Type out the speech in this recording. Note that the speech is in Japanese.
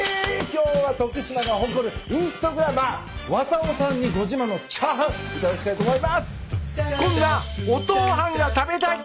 今日は徳島が誇るインスタグラマーわたをさんにご自慢のチャーハン頂きたいと思います！